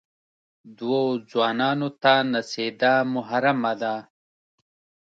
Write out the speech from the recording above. دوو ځوانان ته نڅېدا محرمه ده.